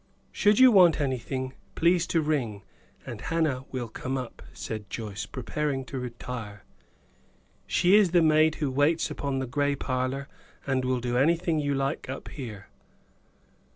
"Should you want anything, please to ring, and Hannah will come up," said Joyce, preparing to retire. "She is the maid who waits upon the gray parlor, and will do anything you like up here."